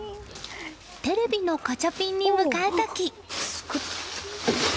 テレビのガチャピンに向かう時。